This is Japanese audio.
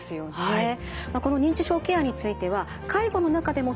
はい。